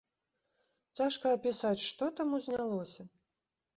Цяжка апісаць, што там узнялося!